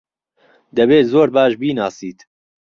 دەبێت زۆر باش بیناسیت.